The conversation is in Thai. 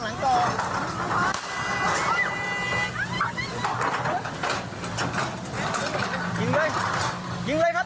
ขอไปกินก่อนขอไปไม่ได้ข้างหลังก่อน